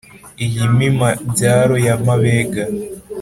Iyi Mpima-byaro ya Mabega,